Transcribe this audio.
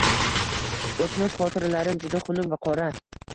O‘tmish xotiralarim juda xunuk va qora